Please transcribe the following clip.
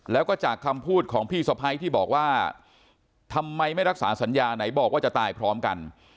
แล้วก็จากคำพูดของพี่สะพ้ายที่บอกว่าทำไมไม่รักษาสัญญาไหนบอกว่าจะตายพร้อมกัน